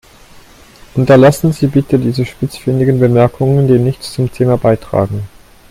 Unterlassen Sie bitte diese spitzfindigen Bemerkungen, die nichts zum Thema beitragen.